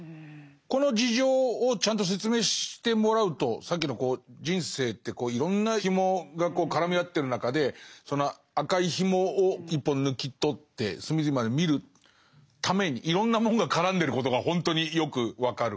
この事情をちゃんと説明してもらうとさっきのこう人生っていろんな紐がこう絡み合ってる中でその赤い紐を１本抜き取って隅々まで見るためにいろんなもんが絡んでることがほんとによく分かる。